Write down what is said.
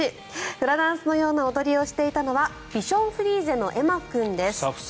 フラダンスのような踊りをしていたのはビションフリーゼのエマ君です。